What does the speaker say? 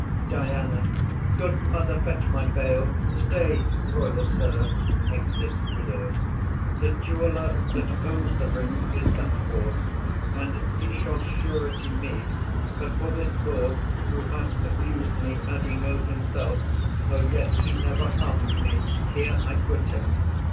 DIANA. Good mother, fetch my bail. Stay, royal sir; [Exit Widow.] The jeweller that owes the ring is sent for, And he shall surety me. But for this lord Who hath abus'd me as he knows himself, Though yet he never harm'd me, here I quit him.